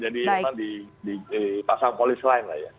jadi memang dipasang polis lain lah ya